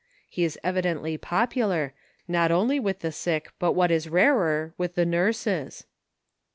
He is evidently popular, not only with the sick, but what is rarer, with the nurses."